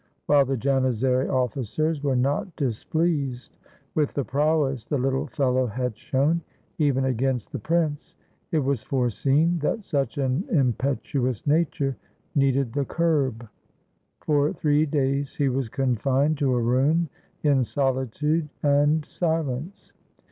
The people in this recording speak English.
While the Janizary officers were not displeased with the prowess the little fellow had shown, even against the prince, it was foreseen that such an impetuous nature needed the curb. For three days he was confined to a room in solitude and silence.